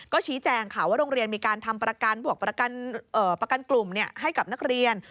ก็ชี้แจงค่ะว่าโรงเรียนมีการทำประกันกลุ่มให้กับนักเรียน